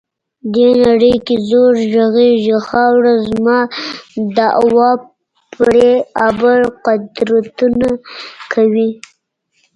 دې نړۍ کې زور غږیږي، خاوره زما دعوه پرې ابر قدرتونه کوي.